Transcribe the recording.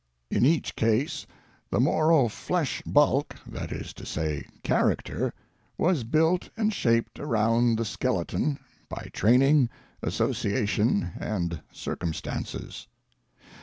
In each case, the moral flesh bulk (that is to say, character) was built and shaped around the skeleton by training, association and circum stances.